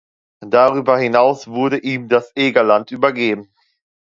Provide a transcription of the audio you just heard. Darüber hinaus wurde ihm das Egerland übergeben.